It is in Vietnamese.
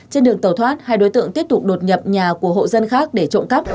trên đường tàu thoát hai đối tượng tiếp tục đột nhập nhà của hộ dân khác để trộm cắp